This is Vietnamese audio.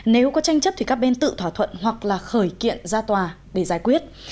nếu có tranh chấp thì các bên tự thỏa thuận hoặc là khởi kiện ra tòa để giải quyết